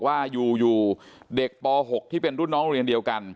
ว่าอยู่เด็กป๖ที่เป็นรุ่นน้องเรียนเดียวกัน